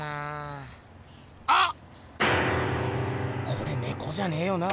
これねこじゃねえよな？